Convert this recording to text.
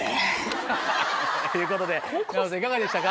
ということで奈緒さんいかがでしたか？